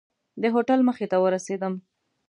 د هوټل مخې ته ورسېدم.